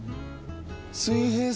水平線が。